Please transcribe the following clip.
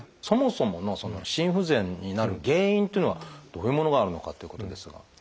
そもそもの心不全になる原因というのはどういうものがあるのかということですが。